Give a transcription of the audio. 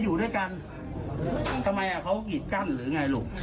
อยู่ด้วยกันทำไมอ่ะเขากิดกั้นหรือไงลูก